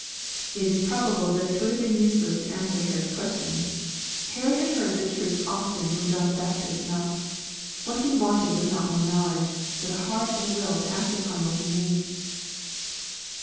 ] It is probable that it would have been useless to answer Herod's questions. Herod had heard tlie truth often from John the Baptist's mouth. What he wanted was nut more knowledge, but a heart and a will to act upon what he knew.